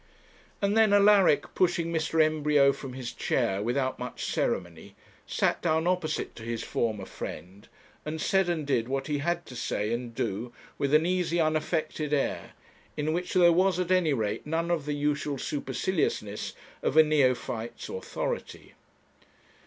And then Alaric, pushing Mr. Embryo from his chair without much ceremony, sat down opposite to his former friend, and said and did what he had to say and do with an easy unaffected air, in which there was, at any rate, none of the usual superciliousness of a neophyte's authority.